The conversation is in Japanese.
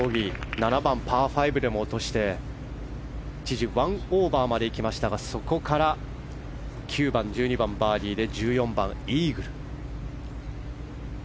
７番、パー５でも落として一時１オーバーまでいきましたがそこから９番、１２番とバーディーで１４番、イーグル。